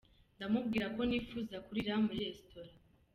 Ndamubwira ko nipfuza kurira muri "restaurant".